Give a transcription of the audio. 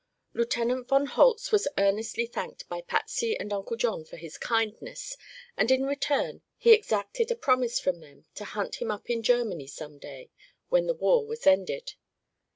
Lieutenant von Holtz was earnestly thanked by Patsy and Uncle John for his kindness and in return he exacted a promise from them to hunt him up in Germany some day, when the war was ended.